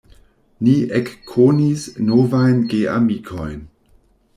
Ni ekkonis novajn geamikojn.